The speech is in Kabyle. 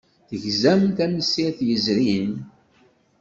Tegzam tamsirt yezrin?